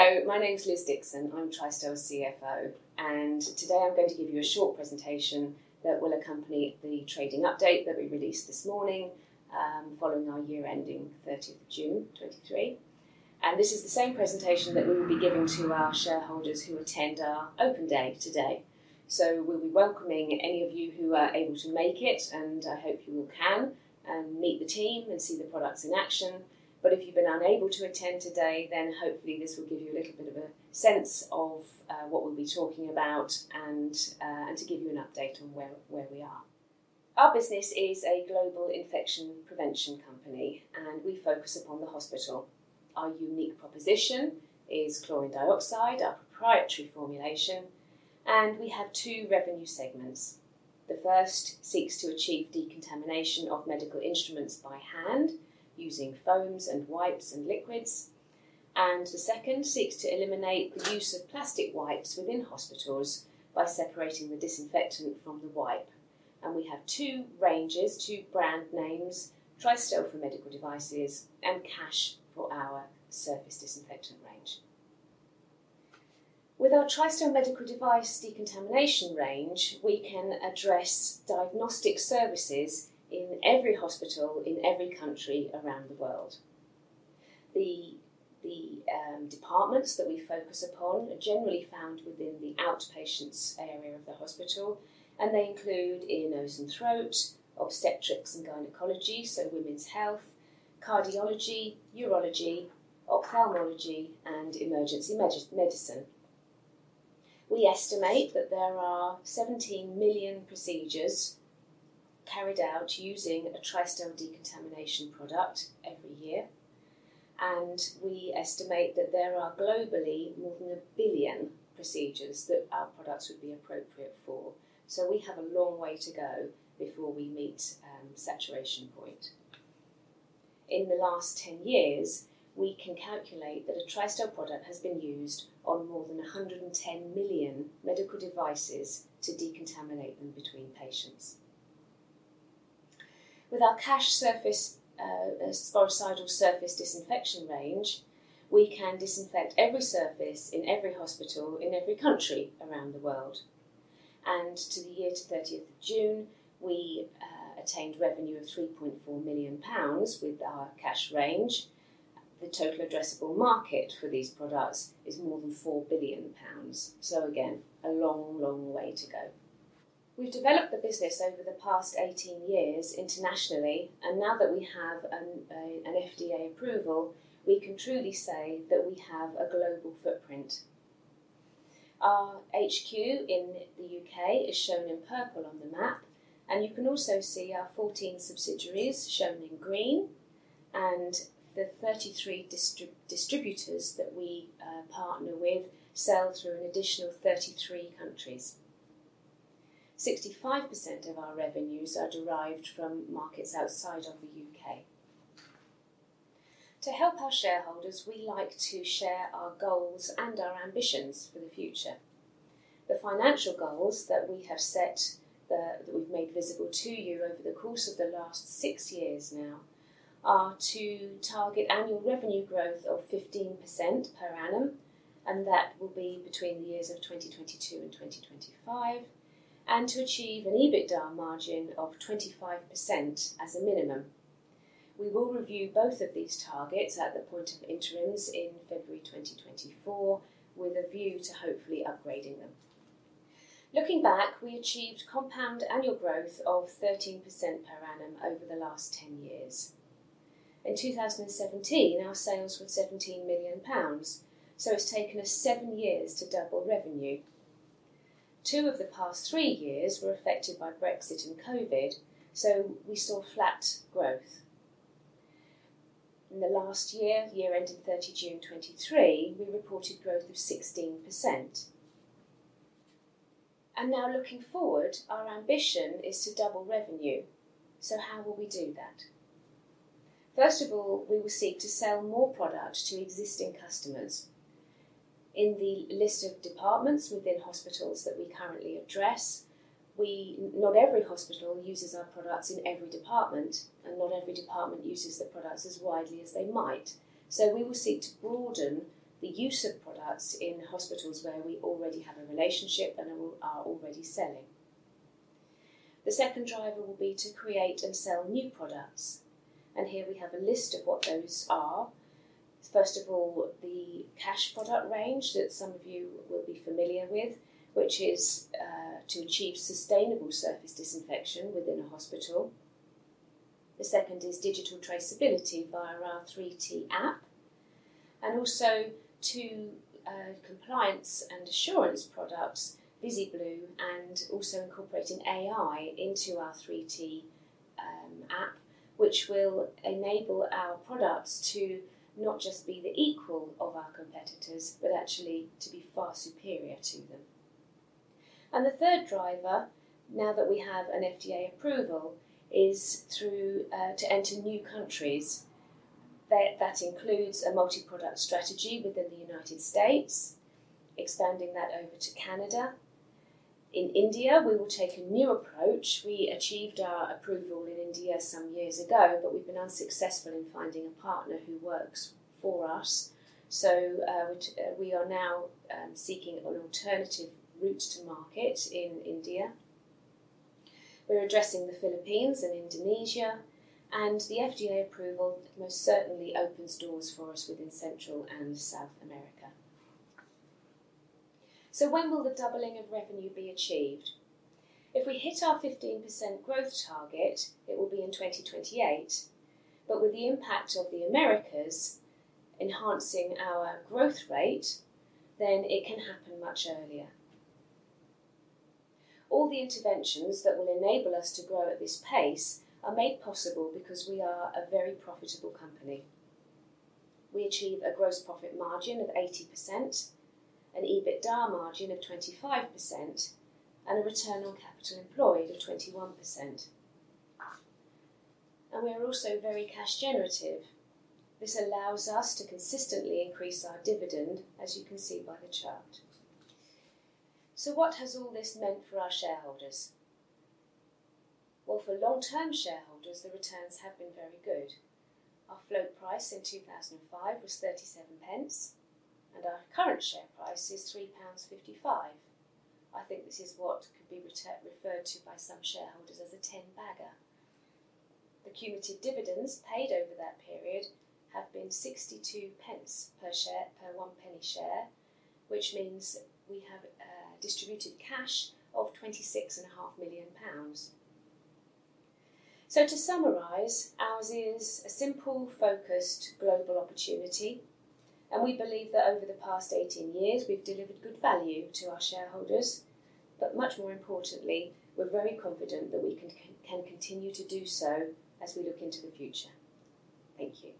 Hello, my name is Liz Dixon. I'm Tristel's Chief Financial Officer, today I'm going to give you a short presentation that will accompany the trading update that we released this morning, following our year ending 30th of June, 2023. This is the same presentation that we will be giving to our shareholders who attend our open day today. We'll be welcoming any of you who are able to make it, and I hope you all can, and meet the team and see the products in action. If you've been unable to attend today, hopefully this will give you a little bit of a sense of what we'll be talking about, and to give you an update on where we are. Our business is a global infection prevention company, and we focus upon the hospital. Our unique proposition is chlorine dioxide, our proprietary formulation, and we have two revenue segments. The first seeks to achieve decontamination of medical instruments by hand using foams and wipes and liquids, and the second seeks to eliminate the use of plastic wipes within hospitals by separating the disinfectant from the wipe. We have two ranges, two brand names: Tristel for medical devices and Cache for our surface disinfectant range. With our Tristel medical device decontamination range, we can address diagnostic services in every hospital in every country around the world. The departments that we focus upon are generally found within the outpatients area of the hospital, and they include ear, nose, and throat; obstetrics and gynecology, so women's health; cardiology, urology, ophthalmology, and emergency medicine. We estimate that there are 17 million procedures carried out using a Tristel decontamination product every year. We estimate that there are globally more than 1 billion procedures that our products would be appropriate for. We have a long way to go before we meet saturation point. In the last 10 years, we can calculate that a Tristel product has been used on more than 110 million medical devices to decontaminate them between patients. With our Cache surface sporicidal surface disinfection range, we can disinfect every surface in every hospital in every country around the world. To the year to 30th of June, we attained revenue of 3.4 million pounds with our Cache range. The total addressable market for these products is more than 4 billion pounds. Again, a long, long way to go. We've developed the business over the past 18 years internationally, and now that we have an FDA approval, we can truly say that we have a global footprint. Our HQ in the U.K is shown in purple on the map, and you can also see our 14 subsidiaries shown in green, and the 33 distributors that we partner with sell through an additional 33 countries. 65% of our revenues are derived from markets outside of the U.K. To help our shareholders, we like to share our goals and our ambitions for the future. The financial goals that we have set. that we've made visible to you over the course of the last six-years now, are to target annual revenue growth of 15% per annum, that will be between the years of 2022 and 2025, to achieve an EBITDA margin of 25% as a minimum. We will review both of these targets at the point of interims in February 2024, with a view to hopefully upgrading them. Looking back, we achieved compound annual growth of 13% per annum over the last 10 years. In 2017, our sales were 17 million pounds, it's taken us seven-years to double revenue. Two of the past three years were affected by Brexit and COVID, we saw flat growth. In the last year ending 30 June 2023, we reported growth of 16%. Now looking forward, our ambition is to double revenue. How will we do that? First of all, we will seek to sell more product to existing customers. In the list of departments within hospitals that we currently address, we not every hospital uses our products in every department, and not every department uses the products as widely as they might. We will seek to broaden the use of products in hospitals where we already have a relationship and are already selling. The second driver will be to create and sell new products, and here we have a list of what those are. First of all, the Cache product range that some of you will be familiar with, which is to achieve sustainable surface disinfection within a hospital. The second is digital traceability via our 3T app, and also two compliance and assurance products, Bisy-Blue, and also incorporating AI into our 3T app, which will enable our products to not just be the equal of our competitors, but actually to be far superior to them. The third driver, now that we have an FDA approval, is through to enter new countries. That includes a multi-product strategy within the United States, expanding that over to Canada. In India, we will take a new approach. We achieved our approval in India some years ago, but we've been unsuccessful in finding a partner who works for us. We are now seeking an alternative route to market in India. We're addressing the Philippines and Indonesia. The FDA approval most certainly opens doors for us within Central and South America. When will the doubling of revenue be achieved? If we hit our 15% growth target, it will be in 2028, with the impact of the Americas enhancing our growth rate, it can happen much earlier. All the interventions that will enable us to grow at this pace are made possible because we are a very profitable company. We achieve a gross profit margin of 80%, an EBITDA margin of 25%, and a return on capital employed of 21%. We are also very cash generative. This allows us to consistently increase our dividend, as you can see by the chart. What has all this meant for our shareholders? Well, for long-term shareholders, the returns have been very good. Our float price in 2005 was 0.37, and our current share price is 3.55 pounds. I think this is what could be referred to by some shareholders as a ten-bagger. The cumulative dividends paid over that period have been 62 pence per share, per 1 penny share, which means we have distributed cash of 26.5 million pounds. To summarize, ours is a simple, focused, global opportunity, and we believe that over the past 18 years, we've delivered good value to our shareholders. Much more importantly, we're very confident that we can continue to do so as we look into the future. Thank you.